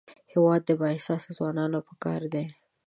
هېواد ته بااحساسه ځوانان پکار دي